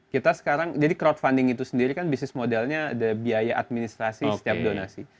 kita sekarang jadi crowdfunding itu sendiri kan bisnis modelnya ada biaya administrasi setiap donasi